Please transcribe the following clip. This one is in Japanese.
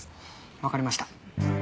わかりました。